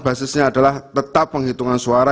basisnya adalah tetap penghitungan suara